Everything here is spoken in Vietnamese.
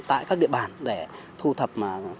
tại các địa bàn để thu thập